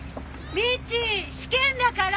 未知試験だから。